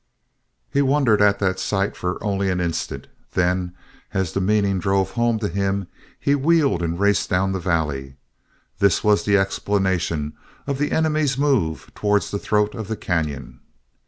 He wondered at that sight for only an instant; then, as the meaning drove home to him, he wheeled and raced down the valley. This was the explanation of the Enemy's move towards the throat of the cañon!